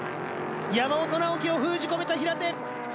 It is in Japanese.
山本尚貴を封じ込めた平手。